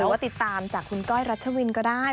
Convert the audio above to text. ว่าติดตามจากคุณก้อยรัชวินก็ได้